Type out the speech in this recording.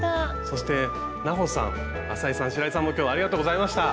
そして南帆さん浅井さん白井さんも今日はありがとうございました。